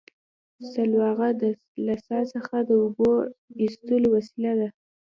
سلواغه له څا څخه د اوبو ایستلو وسیله ده